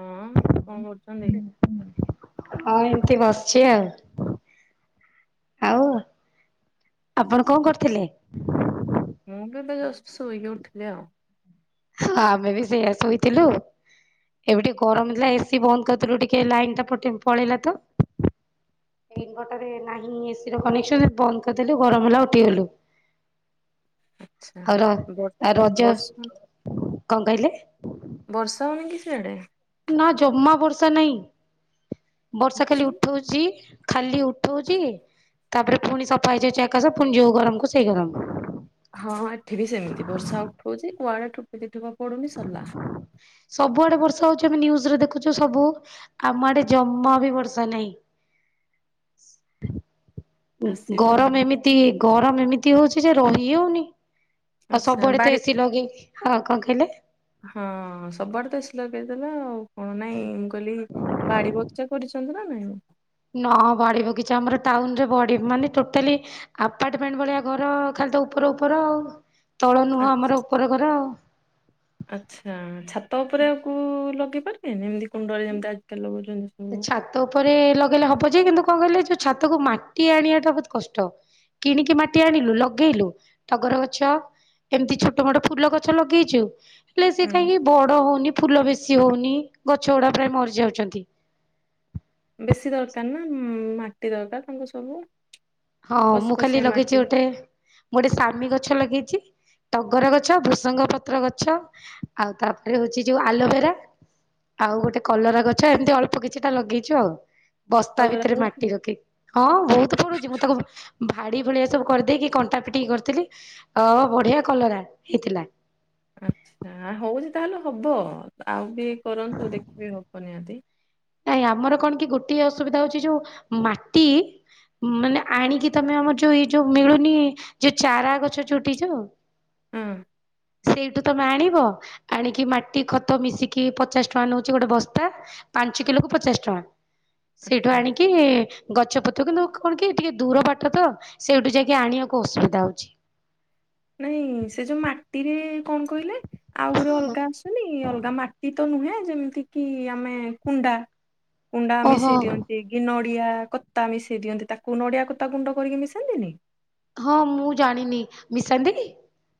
ହଁ, କଣ କରୁଚନ୍ତି? ହଁ, ଏମିତି ବସିଚି ଆଉ। ଆଉ, ଆପଣ କଣ କରୁଥିଲେ? ମୁଁ ବି ତ ଜଷ୍ଟ ଶୋଇକି ଉଠିଲି ଆଉ। ହଁ, ଆମେ ବି ସେଇଆ ଶୋଇଥିଲୁ ଏବେ ଟିକେ ଗରମ ଥିଲା। ଏସି ବନ୍ଦ କରିଥିଲୁ ଟିକେ ଲାଇନ ଟା କଟି ପଳେଇଲା ତ। ଇନଭେଟରରେ ନାହିଁ ଏସି ର କନେକ୍ସନ। ବନ୍ଦ କରିଦେଲୁ, ଗରମ ହେଲା ଉଠିଗଲୁ। ଆଚ୍ଛା ଆଉ ର ବ ଆଉ ରଜ। ବର୍ଷା କଣ କହିଲେ? ବର୍ଷା ହେଉନିକି ସିଆଡେ? ନା ଜମା ବର୍ଷା ନାହିଁ। ବର୍ଷା ଖାଲି ଆଚ୍ଛା। ଉଠଉ ଚି, ଖାଲି ଉଠଉଚି ତାପରେ ଫୁଣି ସଫା ହେଇଯାଉଚି ଆକାସ, ପୁଣି ଯୋଉ ଗରମ କୁ ସେଇ ଗରମ। ହଁଁ, ଏଠି ବି ସେମିତି ବର୍ଷା ଉଠଉଛି କୁଆଡେ ଠୋପେ ଦିଠୋପା ପଡୁନି, ସରିଲା। ସବୁଆଡେ ବର୍ଷା ହଉଛି ଆମେ ନିୟୁଜୁ ରେ ଦେଖୁଛୁ ସବୁ ଆମ ଆଡେ ଜମା ବି ବର୍ଷା ନାହିଁ। ଆସିବ ଆଉ। ଗରମ ଏମିତି ଗରମ ଏମିତି ହଉଛି ଯେ ରହି ହଉନି। ଅ ଆଚ୍ଛା ସବୁଆଡେ ତ ବାରି ଏସି ଲଗେଇ, ହଁ କଣ କହିଲେ? ହଁ ସବୁଆଡେ ତ ଏସି ଲଗେଇଦେଲ ଆଉ କଣ ନାଇଁ ମୁଁ କହିଲି ବାଡି ବଗିଚା କରିଛନ୍ତି ନା ନାଇ ଆଉ? ନା ବାଡ଼ିବଗିଚା ଆମର ଟାଉନ୍ ରେ ବଢି ମାନେ ଟୋଟାଲି ଆପାର୍ଟମେଣ୍ଟ ଭଳିଆ ଘର ଖାଲି ତ ଉପର ଉପର ଆଉ, ତଳ ଆ ନୁହଁ ଆମର ଉପର ଘର ଆଉ। ଆଚ୍ଛା ଛାତ ଉପରେ ଆକୁ ଲଗେଇ ପାରିବେନି ଏମିତି କୁଣ୍ଡରେ ଯେମିତି ଆଜିକାଲି ଲଗଉଛନ୍ତି ସବୁ। ଛାତ ଉପରେ ଲଗେଇଲେ ହବ ଯେ କିନ୍ତୁ କଣ କହିଲେ ଯୋଉ ଛାତକୁ ମାଟି ଆଣିବା ଟା ବହୁତ କଷ୍ଟ। କିଣିକି ମାଟି ଆଣିଲୁ, ଲଗେଇଲୁ ଟଗର ଗଛ ଏମିତି ଛୋଟ ମୋଟ ଫୁଲ ଗଛ ଲଗେଇଛୁ ହେଲେ ସେ ହଁ କାହିଁକି ବଡ ହଉନି, ଫୁଲ ବେଶି ହଉନି, ଗଛ ଗୁଡା ପ୍ରାୟ ମରିଯାଉଛନ୍ତି। ବେଶୀ ଦରକାର ନା ଉନ୍ ମାଟି ଦରକାର ତାଙ୍କୁ ସବୁ। ହଁ ମୁଁ ଖାଲି ଫସଫସିଆ ଲଗେଇଛି ମାଟି ଗୋଟେ, ମୁଁ ଗୋଟେ ସାମି ଗଛ ଲଗେଇଛି ଟଗର ଗଛ, ବୃସଙ୍ଗ ପତ୍ର ଗଛ, ଆଉ ତାପରେ ହଉଛି ଯଉ ଆଲୋଭେରା ଆଉ ଗୋଟେ କଲରା ଗଛ, ଏମିତି ଅଳ୍ପ କିଛିଟା ଲଗେଇଛୁ ଆଉ। ବସ୍ତା କଲରା ଭିତରେ ହଉଛି? ମାଟି ରଖି, ହଁ ମୁଁ ତ ପୁରଉଛି ମୁଁ ତାକୁ ଭାଡି ଭଳିଆ ସବୁ କରିଦେଇକି କଣ୍ଟା ପିଟିିକି କରିଥିଲି ଅ ବଢ଼ିଆ କଲରା ହେଇଥିଲା ଆଚ୍ଛା। ହଉଛି ତାହେଲେ ହବ ଆଉ ବି କରନ୍ତୁ ଦେଖିବେ ହବ ନିହାତି। ନାଇଁ ଆମର କଣ କି ଗୋଟିଏ ଅସୁବିଧା ହଉଛି ଯୋଉ ମାଟି ମାନେ ଆଣିକି ତମେ ଆମର ଯୋଉ ଏଇ ଯୋଉ ମିଳୁନି ଯୋଉ ଚାରା ଗଛ ଚୁଟିଚୁ ହଁ ସେଇ ତମେ ଆଣିବ ଆଣିକି ମାଟି ଖତ ମିଶିକି ପଚାଶ ଟଙ୍କା ନେଉଛି ଗୋଟେ ବସ୍ତା ପା ପାଞ୍ଚ କିଲୋକୁ ପଚାଶ ଟଙ୍କା। ସେଇଠୁ ଆଚ୍ଛା ଆଣିକି ଗଛପତ୍ର କିନ୍ତୁ କଣ କି ଟିକେ ଦୂର ବାଟ ତ ସେଇଠୁ ଯାଇକି ଆଣିବାକୁ ଅସୁବିଧା ହଉଛି। ନାଇଁ ସେ ଯୋଉ ମାଟିରେ କଣ କହିଲେ ଆଉ ଗୋଟେ ଅଲଗା ଅଲଗା ମାଟି ତ ନୁହେଁ ଯେମିତି କି ଆମେ କୁଣ୍ଡା କୁଣ୍ଡା ଓହୋ ମିଶେଇ ଦିଅନ୍ତି। ଏ ନଡିଆ କତା ମିଶେଇ ଦିଅନ୍ତି ତାକୁ ନଡିଆ କତା ଗୁଣ୍ଡ କରିକି ମିଶାନ୍ତିନି? ହଁ ମୁଁ ଜାଣିନି ମିଶାନ୍ତି କି?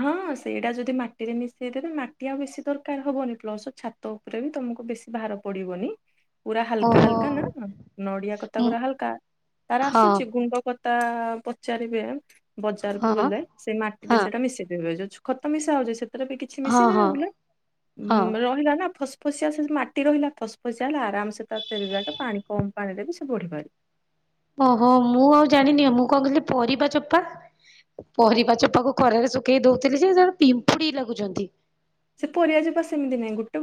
ହଁ ସେଇଟା ଯଦି ମାଟିରେ ମିଶେଇଦେବେ ମାଟି ଆଉ ବେଶୀ ଦରକାର ହବନି ପ୍ଲସ୍ ଛା ତ ଉପରେ ବି ତମକୁ ବେଶି ଭାର ପଡିବନି। ପୁରା ହାଲକା ଓହୋ ହାଲକା ନା ନଡିଆ କତା ମୁଁ ପୁରା ହାଲକା ତାର ହଁ ଆସୁଛି ଗୁଣ୍ଡ କ ତା ପଚାରିବେ ହଁ ବଜାରକୁ ଗଲେ ସେ ମାଟିରେ ହଁ ସେଟା ମିଶେଇ ଦେବେ ଯୋଉ ଖତ ମିଶା ହଉଛି ସେଥିରେ ବି କିଛି ହଁ ମିଶେଇ ନେବେ ହଁ ହଁ ବୋ ରହିଲା ନା ଫସ ଫସିବା ସେ ମାଟି ରହିଲା ଫସଫସିଆ ହେଲେ ଆରାମସେ ତା ତେରେ ଯାକେ ପାଣି କମ୍ ପାଣିରେ ବି ସେ ବଢ଼ିପାରିବ। ଓହୋ ମୁଁ ଆଉ ଜାଣିନି ମୁଁ କଣ କହିଲି ପରିବା ଚୋପା ପରିବା ଚୋପାକୁ ଖରାରେ ଶୁଖେଇ ଦଉଥିଲି ଯେ ସେ ପିମ୍ପୁଡି ଲାଗୁଛନ୍ତି। ସେ ପରିବା ଚୋପା ସେମିତି ନାହିଁ ଗୋଟେ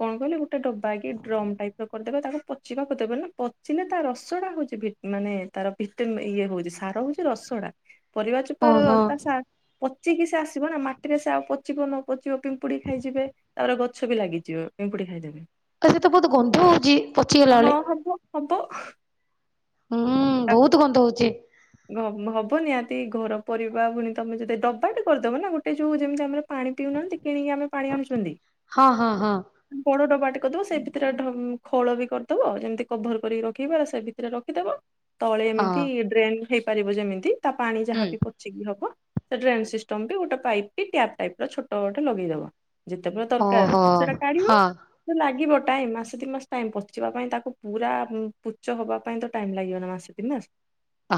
କଣ କହିଲେ ଗୋଟେ ଡବା କି ଡ୍ରମ ଟାଇପ ର କରିଦେବେ ତାକୁ ପଚିବାକୁ ଦେବେ ନା। ପଚିଲେ ତା ରସଡା ହଉଛି ଭିଟ ମାନେ ତାର ଭିଟମ୍ ଇଏ ହଉଛି ସାର ହଉଛି ରସ ଟା। ପରିବା ଚୋପାର ର ଓହୋ। ତା ସା ପଚିକି ସେ ଆସିବ ନା ମାଟିରେ ସେ ଆଉ ପଚିବ ନ ପଚିବି କେ ପିମ୍ପୁଡି ଖାଇଯିବେ ତାର ଗଛ ବି ଲାଗିଯିବେ ପିମ୍ପୁଡି ଖାଇଦେବେ। ଆଉ ସେତ ବହୁତ ଗନ୍ଧ ହଉଛି ପଚିଗଲା ହଁ ବେଳେ ହବ ହବ। ହୁଁ ତା ବହୁତ ଗନ୍ଧ ହଉଛି। ହବ ନିହାତି ଘର ପରିବା ଭୁଣିୀ ତମେ ଯଦି ଡବାଟେ କରିଦବ ନା ଗୋଟେ ଯୋଉ ଯେମିତି ଆମର ପାଣି ପିଉନାହାନ୍ତି କିଣିକି ଆମେ ପାଣି ଆଣୁଛନ୍ତି। ହଁ ହଁ ହଁ ବଡ ଡବାଟେ କରିଦବ ସେ ଭିତରେ ଖୋଳ ବି କରିଦବ ଯେମିତି କଭର କରିକି ରଖିବା ସେ ଭି ରା ରଖିଦବ ତଳେ ଏମିତି ହଁ ଡ୍ରେନ୍ ହେଇପାରିବ ଯେମିତି ତା ପାଣି ହୁଁ ଯାହାବି ପଚକି ହବ ସେ ଡ୍ରେନ୍ ସିଷ୍ଟମ ବି ଗୋଟେ ପାଇପ୍ ଟ୍ୟାପ ଟାଇପ ର ଛୋଟ ଗୋଟେ ଲଗେଇଦବ ଯେତେବେଳେ ଦରକାର ଓହୋ ସେଟା କାଢିବ। ହଁ ଲାଗିବ ଟାଇମ ମାସ ଦି ମାସ ଟାଇମ ପଚିବା ପାଇଁ ତାକୁ ପୁରା ପୁଚ ହବ ପାଇଁ ତ ଟାଇମ୍ ଲାଗିବ ନା ମାସେ ଦି ମାସ।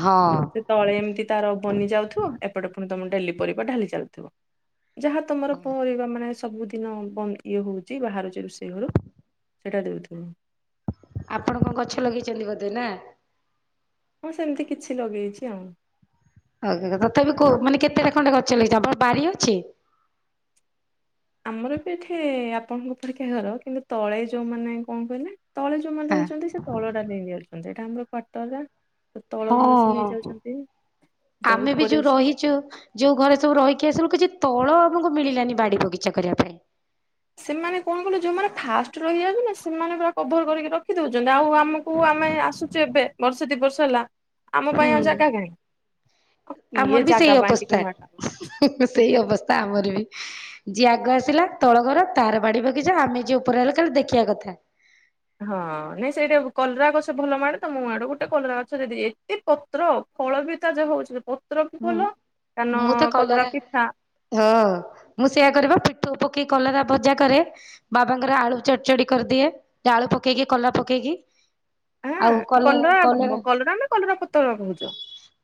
ହଁ। ସେ ତଳେ ଏମିତି ତାର ବନି ଯାଉଥିବ ଏପଟେ ପୁଣି ତମ ଡେଲି ପରିବା ଢାଲି ଚାଲୁଥିବ ଯାହା ତମର ପରିବା ମାନେ ସବୁ ଦିନ ବନ୍ଦ ଇଏ ହେଉଛି ବାହାରୁଛି ରୋଷେଇ ଘରୁ ସେଇଟା ଦେଉଥିଲ ଆପଣ କଣ ଗଛ ଲଗେଇଛନ୍ତି ବୋଧେ ନା ହଁ ସେମିତି କିଛି ଲଗେଇଛି ଆଉ ଆଗ ତଥାପି କଉ ମାନେ କେତେଟା ଖଣ୍ଡେ ଗଛ ଲାଗିଛି ଆମର ପାରି ଅଛି। ଆମର ବି ଏଠି ଆପଣଙ୍କ ପରିକ୍ଷା ଘର କିନ୍ତୁ ତଳେ ଯୋଉମାନୋନ କଣ କହିଲେ ତଳେ ଯୋଉମାନେ ଧହିଛନ୍ତି ସେ ତଳଟା ନେଇ ଯାଉଛନ୍ତି ଏଇଟା ଆମର କଟରା ହଁ ତଳ ଘର ସ ହଁ ନେଇ ଯାଉଛନ୍ତି ତ ଉପରେ ଚୁ ଯୋଉ ଘରେ ସବୁ ରହିକି ଆସିଲୁ କିଛି ତଳ ଆମକୁ ମିଳିଲାନି ବାଡି ବଗିଚା କରିବା ପାଇଁ ସେମାନେ କଣ କହିଲୁ ଯୋଉମାନେ ଫାଷ୍ଟ ରହିଯାଉ ନା ସେମାନେ ପୁରା କଭର କରିକି ରଖିଦଉଛନ୍ତି ଆଉ ଆମକୁ ଆମେ ଆସୁ ଯେବେ ବର୍ଷ ଦି ବର୍ଷ ହେଲା ଆମ ପାଇଁ ଆଉ ହୁଁ ଜାଗା କାହିଁ। ଆଉ କିଏ ଆମର ବି ସେଇ ଜାଗା ପାଇଁ ଅବସ୍ଥା ଟିକେ ମାଡ ସେଇ ଅବସ୍ଥା ଆମର ବି ଯିଏ ଆଗ ଆସିଲା ତଳ ଘର ତାର ବାଡି ବଗିଚା ଆମେ ଯିଏ ଉପରେ ରଲ ଖାଲି ଦେଖିଆ କଥା। ହଁ ନାଇଁ ସେଇଟା କଲରା ଗଛ ଭଲ ମାଡେ ତ ମୋ ଆଡେ ଗୋଟେ କଲରା ଗଛ ଯଦି ଏତେ ପ ପତ୍ର ଫଳ ବି ତା ଯେ ହଉଛି ପତ୍ର ବି ହୁଁ ଭଲ କାନ ମୁଁ ତ କଲରା କଦାରା ପିତା। ହଁ ମୁଁ ସେୟା କରେବ ପିଠୋଉ ପକେଇ କଲରା ଭଜା କରେ। ବାବାଙ୍କର ଆଳୁ ଚଡ ଚଡି କରିଦିଏ ଆଳୁ ପକେଇକି କଲରା ପକେଇକି। ହଁ ଆଉ କଲ କଲରା କଲରା ନା କଲରା ପତ୍ର କହୁଛ।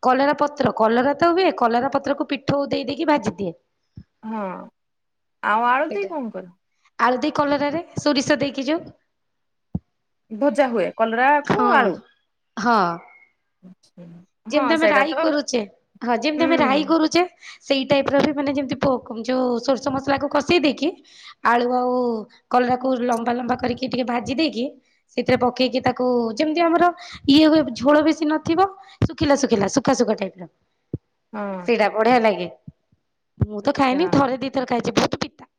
କଲରା ପତ୍ର କଲରା ତ ହୁଏ କଲରା ପତ୍ରକୁ ପିଠଉ ଦେଇ ଦେଇକି ଭାଜିଦିଏ। ହଁ ଆଉ ଆଳୁ ଦେଇ ସେଇଟା କଣ କର? ଆଳୁ ଦେଇ କଲରାରେ ସୋରିଷ ଦେଇକି ଯୋଉ। ଭଜା ହୁଏ କଲରାକୁ ହଁ ଆଳୁ। ହଁ। [unintelligible] ଯେମିତି ଆମେ ସେଇଟା ରାଇ ତ କରୁଚେ ହଁ ଯେମିତି ଆମେ ରାଇ ହୁଁ କରୁଚେ ସେଇ ଟାଇପର ବି ମାନେ ଯେମିତି ପ ଯେଉଁ ସୋର୍ଷ ମସଲାକୁ କଷେଇ ଦେଇକି ଆଳୁ ଆଉ କଲରାକୁ ଲମ୍ବା ଲମ୍ବା କରିକି ଟିକେ ଭାଜି ଦେଇକି ସେଥିରେ ପକେଇକି ତାକୁ ଯେମିତି ଆମର ଇଏ ହୁଏ ଝୋଳ ବେଶୀ ନଥିବ। ଶୁଖିଲା ଶୁଖିଲା ଶୁଖା ଶୁଖା ଟାଇପର ହଁ ସେଇଟା ବଢିଆ ଲାଗେ। ମୁଁ ତ ଆଚ୍ଛା ଖାଏନି ଥରେ ଦିଥରେ ଖାଇଛି ବହୁତ ପିତା।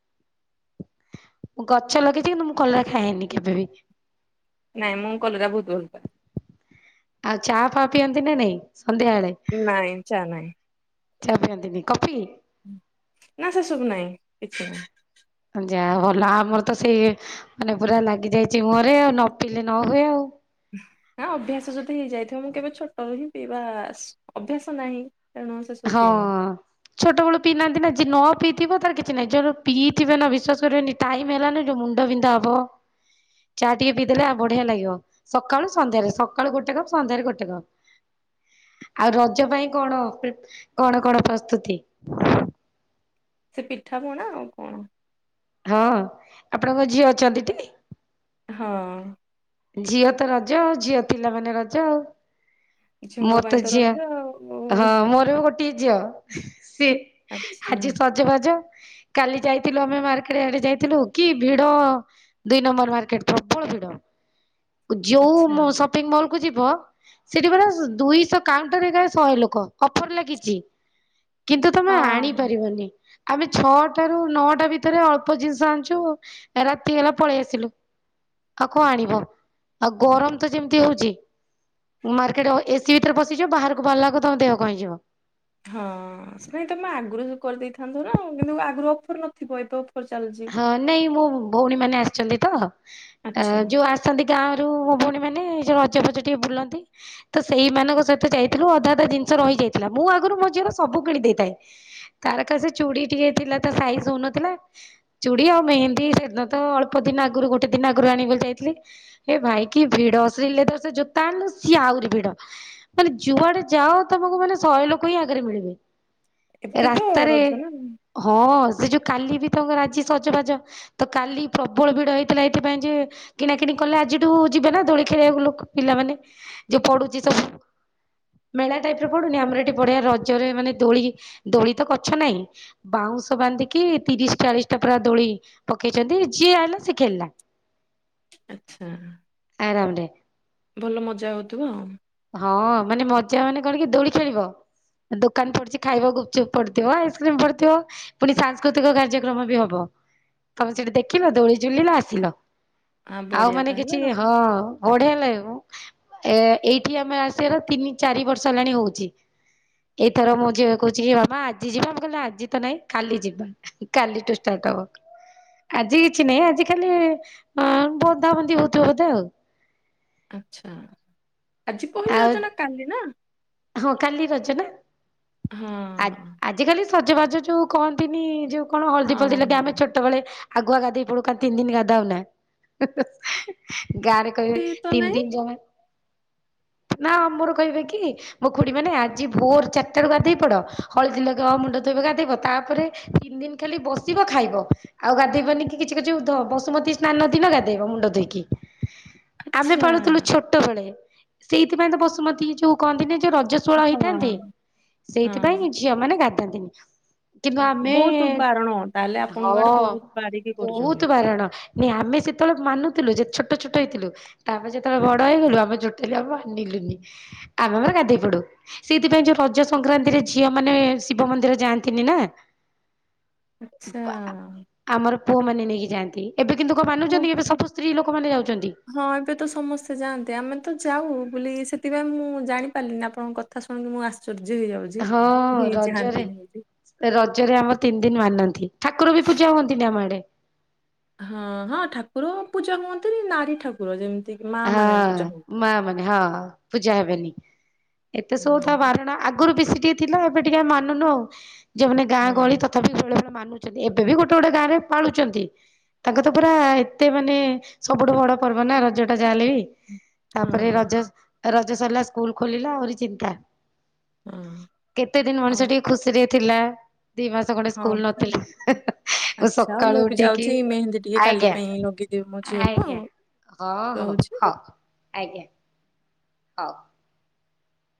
ଗଛ ଲଗେଇଛି କିନ୍ତୁ ମୁଁ କଲରା ଖାଏନି କେବେ ବି। ନାଇଁ ମୁଁ କଲରା ବହୁତ ଭଲ ପାଏ। ଆଉ ଚା ଫା ପିଅନ୍ତି ନା ନାଇଁ ସନ୍ଧ୍ୟାବେଳେ। ନାଇଁ ଚା ନାହିଁ। ଚା ପିଅନ୍ତିନି କଫି। ନା ସେ ସବୁ ନାହିଁ କିଛି ନା। ଯାହା ହଉ ଭଲ ଆମର ତ ସେଇ ମାନେ ପୁରା ଲାଗିଯାଇଛି ମୁହଁରେ ଆଉ ନ ପିିଲଲେ ନ ହୁଏ ଆଉ। ନା ଅଭ୍ୟାସ ଯଦି ହେଇଯାଇଥିବ ମୁଁ କେବେ ଛୋଟରୁ ହିଁ ପିଇବା ଅଭ୍ୟାସ ନାହିଁ। ତେଣୁ ସେ ସବୁ ହଁ। ପିଏନି ଛୋଟବେଳୁ ପିଇନାହାନ୍ତି ନା ଯିଏ ନ ପିଇଥିବ ତାର କିଛି ନାହିଁ ଯାର ପିଇଥିବେ ନା ବିଶ୍ଵାସ କରିବେନି। ଟାଇମ ହେଲାନ ଯୋଉ ମୁଣ୍ଡ ବିନ୍ଧା ହବ ଚା ଟିକେ ପିଇଦେଲେ ଆଉ ବଢିଆ ଲାଗିବ। ସକାଳୁ ସନ୍ଧ୍ୟାରେ ସକାଳୁ ଗୋଟେ କପ ସନ୍ଧ୍ୟାରେ ଗୋଟେ କପ। ଆଉ ରଜ ପାଇଁ କଣ ପ୍ରି କଣ କଣ ପ୍ରସ୍ତୁତି? ସେ ପିଠା ପଣା ଆଉ କଣ? ହଁ ଆପଣଙ୍କ ଝିଅ ଅଛନ୍ତି। ଟି ହଁ। ଝିଅ ତ ରଜ ଆଉ ଝିଅ ପିଲାମାନେ ରଜ ଆଉ। ଝିଅଙ୍କ ମୋର ତ ପାଇଁ ଝିଅ ରଜ ହଁ ଆଉ ମୋର ବି ଗୋ ଝିଅ ସିଏ ଆଚ୍ଛା ଆଜି ସଜବାଜ। କାଲି ଯାଇଥିଲୁ ଆମେ ମାର୍କେଟ ଆଡେ ଯାଇଥିଲୁ କି ଭିଡ। ଦୁଇ ନମ୍ବର ମାର୍କେଟ ପ୍ରବଳ ଭିଡ। ଆଚ୍ଛା ଯୋଉ ସପିଙ୍ଗ ମଲକୁ ଯିବ ସେଠି ପୁରା। ଦୁଇଶହ କାଉଣ୍ଟରରେ ଗାଏ ଶହେ ଲୋକ ଅଫର ଲାଗିଛି। କିନ୍ତୁ ତମେ ଆଣି ହଁ। ପାରିବନି। ଆମେ ଛଅଟାର ନଅଟା ଭିତରେ ଅଳ୍ପ ଜିନିଷ ଆଣିଛୁ ରାତି ହେଲା ପଳେଇ ଆସିଲୁ। ଆଉ କଣ ଆଣିବ ଆଉ ଗରମ ତ ଯେମିତି ହଉଛି ମାର୍କେଟ ଏସିି ଭିତରେ ପଶିଯିବ ବାହାରକୁ ବାହାରିଲାକୁ ତମ ଦେହ କଣ ହେଇଯିବ। ହଁ ସେ ନାଇଁ ତମେ ଆଗରୁ ସବୁ କରିଦେଇଥାନ୍ତ ନା କିନ୍ତୁ ଆଗରୁ ଅଫର ନଥିବ ଏବେ ଅଫର ଚାଲିଛି। ହଁ ନାଇଁ ମୋ ଭଉଣୀ ମାନେ ଆସିଛନ୍ତି ତ ଆଚ୍ଛା ଯୋଉ ଆ ଆସିଛନ୍ତି ଗାଁରୁ ମୋ ଭଉଣୀ ମାନେ ସେ ରଜଫଜ ଟିକେ ବୁଲନ୍ତି। ତ ସେଇମାନଙ୍କ ସହିତ ଯାଇଥିଲୁ ଅଧା ଅଧା ଜିନିଷ ରହିଯାଇଥିଲା ମୁଁ ଆଗରୁ ମୋ ଝିଅର ସବୁ କିଣି ଦେଇଥାଏ। ତାର ଖାଲି ସେ ଚୁଡ଼ି ଟିକେ ଥିଲା ତା ସାଇଜ ହଉ ନଥିଲା। ଚୁଡ଼ି ଆଉ ମେହେନ୍ଦୀ ସେଦିନ ତ ଅଳପ ଦିନ ଆଗରୁ ଗୋଟେ ଦିନ ଆଗରୁ ଆଣିବି ବୋଲି ଯାଇଥିଲି। ହେ ଭାଇ କି ଭିଡ ଶ୍ରୀ ଲେଦର ସେ ଜୋତା ଆଣିଲୁ ସିଏ ଆହୁରି ଭିଡ। ମାନେ ଯୁଆଡେ ଯାଅ ତମକୁ ମାନେ ଶହେ ଲୋକ ହିଁ ଆଗରେ ମିଳିବେ। ଏବେ ତ ରାସ୍ତାରେ ରଜ ନା ହଁ ସେ ଯୋଉ କାଲି ବି ତାଙ୍କ ରାଜି ସଜବାଜ। ତ କାଲି ପ୍ରବଳ ଭିଡ ହେଇଥିଲା ଏଇଥିପାଇଁ ଯେ କିଣା କିିଣି କଲେ ଆଜିଠୁ ଯିବେ ନା ଦୋଳି ଖେଳିବାକୁ ଲୋକ ପିଲାମାନେ ଯୋଉ ପୋଡୁଛି ସବୁ ମେଳା ଟାଇପରେ ପଡୁନି ଆମର ଏଠି ବଢିଆ ରଜରେ ମାନେ ଦୋଳି ଦୋଳି ତ ଗଛ ନାହିଁ। ବାଉଁଶ ବାନ୍ଧିକି ତିରିଶ ଚାଳିଶ ତା ପୁରା ଦୋଳି ପକେଇଛନ୍ତି ଯିଏ ଆଇଲା ସେ ଖେଳିଲା ଆଛା। ଆରାମରେ ଭଲ ମଜା ହେଉଥିବ ଆଉ ହଁ ମାନେ ମଜା ମାନେ କଣ କି ଦୋଳି ଖେଳିବ? ଦୋକାନ ପଡିଛି ଖାଇବାକୁୁ ଗୁପୁଚୁପ ପଡିଥିବ ଆଇସ୍କ୍ରିମ ପଡିଥିବ ପୁଣି ସାଂସ୍କୃତିକ କାର୍ଯ୍ୟକ୍ରମ ବି ହବ ତମେ ସେଠି ଦେଖିଲ ଦୋଳି ଝୁଲିଲ ଆସିଲ। ଆ ଆଉ ବଢିଆ ମାନେ ତାହେଲେ କିଛି ଆଉ ହଁ ବଢେଆ ଲାଗେ ମ ଏ ଏଇଠି ଆମେ ଆସିବାର ତିନି ଚାରି ବର୍ଷ ହେଲାଣି ହଉଛି। ଏଇଥର ମୋ ଝିଅ କହୁଛି ବାବା ଆଜି ଯିବା ମୁଁକହିଲି ଆଜି ତ ନାଇଁ କାଲି ଯିବା କାଲିଠୁ ଷ୍ଟାର୍ଟ ହବ ଆଜି କିଛି ନାହିଁ ଆଜି ଖାଲି ଆ ବନ୍ଧାବନ୍ଧି ହଉଥିବ ବୋଧେ ଆଉ ଆଛା ଆଜି ପହିଲି ଆଉ ରଜ ନା କାଲି ନା? ହଁ କାଲି ରଜ ନା? ଆ ହଁ। ଆଜିକାଲି ସଜବାଜ ଯେଉଁ କହନ୍ତିନି ଯେଉଁ କଣ ହଳଦୀ ଫଳଦୀ ହଁ ଲଗେଇ ହଁ ଆମେ ଛୋଟ ସେତେବେଳେ ଆଗୁଆ ଗାଧେଇ ପଡୁ ତିନି ଦିନ ଗାଧୋଉନା ଗାଁରେ କହିବେ ସେ ତ ତିନି ନାଇଁ ଦିନ ଜମା ନା ଆମର କହିବେ କି? ମୋ ଖୁଡ଼ି ମାନେ ଆଜି ଭୋର ଚାରିଟାରୁଗାଧୋଇ ପଡ ହଳଦୀ ଲଗେଇବ ମୁଣ୍ଡ ଧୋଇ ଗାଧୋଇବ ତାପରେ ତିନି ଦିନ ଖାଲି ବସିବ ଖାଇବ। ଆଉ ଗାଧୋଇବନି କିଛି କିଛି ବସୁମତୀ ସ୍ନାନ ଦିନ ଗାଧୋଇବ ମୁଣ୍ଡ ଧୋଇକି? ଆମେ ଆଚ୍ଛା ପାଳୁଥିଲୁ ଛୋଟ ବେଳେ ସେଇଥିପାଇଁ ତ ପଶୁମତୀ ଯୋଉ କହନ୍ତିନି ଯୋଉ ରଜ ଜ୍ଵଳ ହେଇଥାନ୍ତିେ ହଁ। ହଁ ସେଇଥିପାଇଁ ଝିଅ ମାନେ ଗାଧାନ୍ତିନି। କିନ୍ତୁ ଓଃ, ଆମେ ବହୁତ ବାରଣ ତାହେଲେ ହଁ ଆପଣଙ୍କ ଆଡେ ବହୁତ ବାରିକି ବହୁତ କରୁଛନ୍ତି। ବାରଣ? ନାଇଁ ଆମେ ସେତେବେଳେ ମାନୁଥିଲୁ ଯେ ଛୋଟ ଛୋଟ ହେଇଥିଲୁ ତାପରେ ଯେତେବେଳେ ବଡ ହେଇଗଲୁ ଆମେ ଜୋଟେଲୁଆମେ ମାନିଲୁନି ଆମେ ଆମରଗାଧୋ ପଡୁ ସେଇଥିପାଇଁ ଯୋଉ ରଜ ସଂକ୍ରାନ୍ତିରେ ଝିଅ ମାନେ ଶିବ ମନ୍ଦିର ଯାଆନ୍ତିନି ନା? [unintelligible] ଆଛା। ଆମର ପୁଅମାନେନେଇକି ଯାଆନ୍ତି ଏବେ କିନ୍ତୁ କଣ ହଁ ମାନୁଛନ୍ତି କିଏବେ ସବୁ ସ୍ତ୍ରୀ ଲୋକମାନେ ଯାଉଛନ୍ତି ହଁ ଏବେ ତ ସମସ୍ତେ ଯାଆନ୍ନ୍ତି ଆମେ ତ ଯାଉ ବୋଲି ସେଥିପାଇଁ ମୁଁ ଜାଣିପାରିଲିନି ଆପଣଙ୍କ କଥା? କଥା ଶୁଣିକି ମୁଁ ଆଶ୍ଚର୍ଯ୍ୟ ହେଇଯାଉଛି ହଁ କେ ରଜରେ ଚାହାନ୍ତିନି ବୋଲି ରଜରେ ଆମର ତିନି ଦିନି ମାନନ୍ତି ଠାକୁର ବି ପୂଜା ହୁଅନ୍ତିନି ଆମ ଆଡେ ହଁ ହଁ ଠାକୁର ପୂଜା ହୁହନ୍ତିନି ନାରୀ ଠାକୁର ପୁର ଯେମିତିକି ମା ମାନେ ହଁ ପୂଜା ହୁଅନ୍ତି। ମା ମାନେ ହଁ ପୂଜା ହେବେନି। ଏତେ ସବୁ ତା ହଁ ବାରଣା ଆଗରୁ ବେଶୀ ଟିକେ ଥିଲା ଏବେ ଟିକେ ମାନୁନୁ ଆଉ ଯୋଉମାନେ ହଁ ଗାଁ ଗହଳି ସବୁବେଳେ ମାନୁଛନ୍ତି ଏବେ ବି ଗୋଟେ ଗୋଟେ ଗାଁରେ ପାଳୁଛନ୍ତି ତାଙ୍କ ତ ପୁରା ଏତେ ମାନେ ସବୁଠୁ ବଡ ପର୍ବ ନା ରଜ ଯାହା ହେଲେ ବି ହଁ ତାପରେ ରଜ ରଜ ସରିଲା ସ୍କୁଲ ଖୋଲିଲା ଆହୁରି ଚିନ୍ତା ହଁ କେତେ ଦିନ ଓ ମଣିଷ ଟିକେ ଖୁସିରେ ଥିଲା ଦି ମାସ ଖଣ୍ଡେ ହଁ ସ୍କୁଲ ପା ନଥିଲା। ମୁଁ ଆଚ୍ଛା ସକାଳୁ ମୁଁ ବି ଉଠିକି ଯାଉଛି ମେହେନ୍ଦୀ ଟିକେ କାଲି ଆଜ୍ଞା ପାଇଁ ଲଗେଇବି। ଦେ ମୋଝିଅକୁ ଆଉ ଆଜ୍ଞା। ହଁ ହଁ ହଁ ଆଜ୍ଞା। ହଉ।